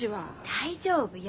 大丈夫よ。